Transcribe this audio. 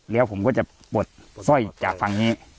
แล้วผมก็จะปลดสร้อยจากฝั่งนี้